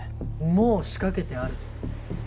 もう仕掛けてある。